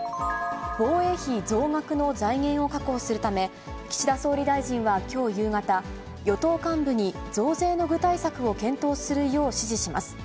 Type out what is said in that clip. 防衛費増額の財源を確保するため、岸田総理大臣はきょう夕方、与党幹部に増税の具体策を検討するよう指示します。